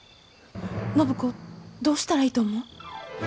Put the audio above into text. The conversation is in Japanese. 暢子どうしたらいいと思う？